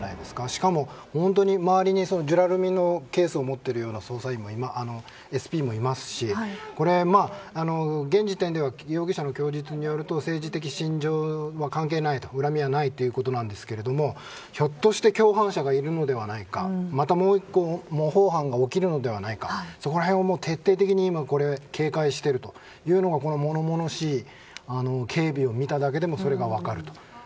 しかも周りにジュラルミンケースを持っているようなＳＰもいますしこれは現時点では容疑者の供述によると政治的信条には関係ない恨みはないということですけどもひょっとして、共犯者がいるのではないかまた、もう１個模倣犯が起きるのではないかそこら辺を徹底的に警戒しているというのがこの物々しい警備を見ただけでもそれが分かると。